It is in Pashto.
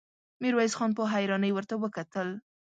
ميرويس خان په حيرانۍ ورته وکتل.